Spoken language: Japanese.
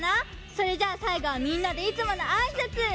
それじゃあさいごはみんなでいつものあいさつ！